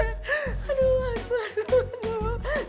aduh aduh aduh aduh